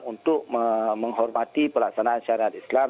untuk menghormati pelaksanaan syariat islam